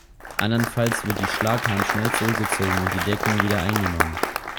Andernfalls wird die Schlaghand schnell zurückgezogen und die Deckung wieder eingenommen.